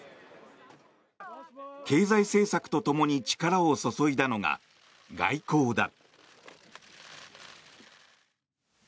経済政策と共に力を注いだのが外交だ。